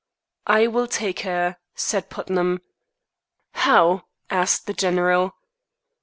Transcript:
"I will take her," said Putnam. "How?" asked the general.